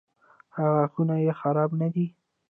ایا غاښونه یې خراب نه دي؟